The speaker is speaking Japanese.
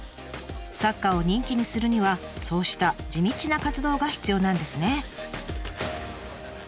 サッカーを人気にするにはそうした地道な活動が必要なんですね。